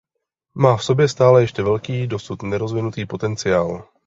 Má v sobě stále ještě velký, dosud nerozvinutý potenciál.